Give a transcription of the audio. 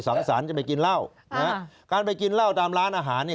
สารจะไปกินเหล้านะฮะการไปกินเหล้าตามร้านอาหารเนี่ย